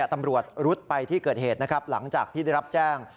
ตำรวจรุดไปที่เกิดเหตุนะครับหลังจากที่ได้รับแจ้ง